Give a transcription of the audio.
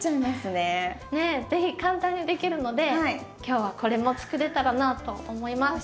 是非簡単にできるので今日はこれも作れたらなと思います。